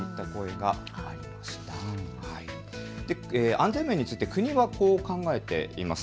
安全面について国はこう考えています。